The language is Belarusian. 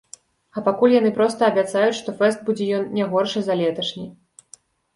А пакуль яны проста абяцаюць, што фэст будзе ён не горшы за леташні.